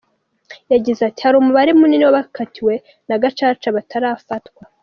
Yagize ati “Hari umubare munini w’abakatiwe na Gacaca batarafatwa.